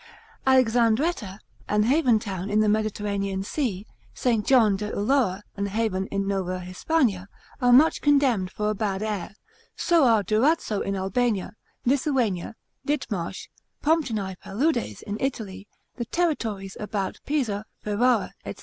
Alexandretta, an haven town in the Mediterranean Sea, Saint John de Ulloa, an haven in Nova Hispania, are much condemned for a bad air, so are Durazzo in Albania, Lithuania, Ditmarsh, Pomptinae Paludes in Italy, the territories about Pisa, Ferrara, &c.